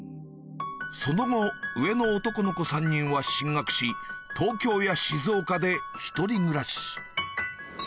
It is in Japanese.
その後上の男の子３人は進学し東京や静岡で１人暮らし